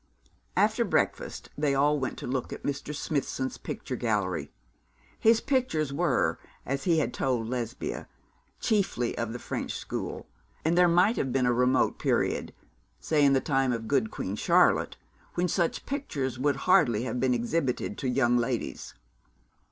After breakfast they all went to look at Mr. Smithson's picture gallery. His pictures were, as he had told Lesbia, chiefly of the French school, and there may have been a remote period say, in the time of good Queen Charlotte when such pictures would hardly have been exhibited to young ladies.